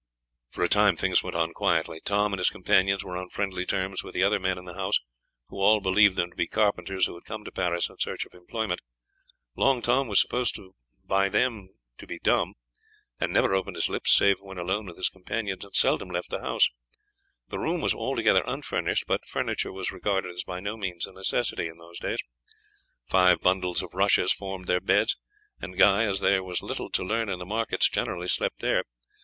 For a time things went on quietly. Tom and his companions were on friendly terms with the other men in the house, who all believed them to be carpenters who had come to Paris in search of employment. Long Tom was supposed by them to be dumb, and never opened his lips save when alone with his companions, and seldom left the house. The room was altogether unfurnished, but furniture was regarded as by no means a necessity in those days. Five bundles of rushes formed their beds, and Guy, as there was little to learn in the markets, generally slept there.